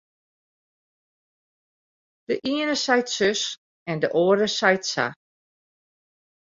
De iene seit sus en de oare seit sa.